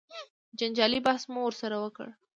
جنجالي بحث مو ورسره وکړ.